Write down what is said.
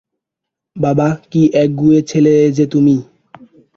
বাবা, কি একগুঁয়ে ছেলে যে তুমি!